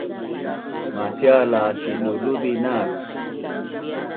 macial la sin’uluzi nak